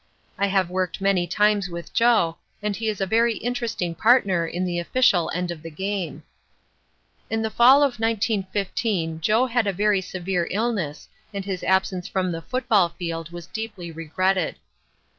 I have worked many times with Joe and he is a very interesting partner in the official end of the game. In the fall of 1915 Joe had a very severe illness and his absence from the football field was deeply regretted.